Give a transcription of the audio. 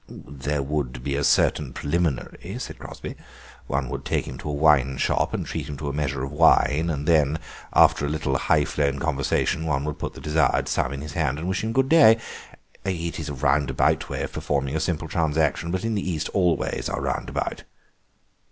"There would be a certain preliminary," said Crosby; "one would take him to a wine shop and treat him to a measure of wine, and then, after a little high flown conversation, one would put the desired sum in his hand and wish him good day. It is a roundabout way of performing a simple transaction, but in the East all ways are roundabout."